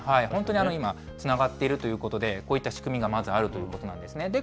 本当に今、つながっているということで、こういった仕組みがまずあるということなんですね。